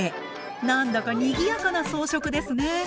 何だかにぎやかな装飾ですね。